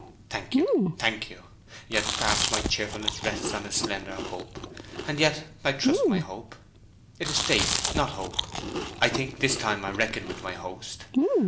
"Thank you—thank you. Yet perhaps my cheerfulness rests on a slender hope. And yet I trust my hope. It is faith, not hope. I think this time I reckon with my host.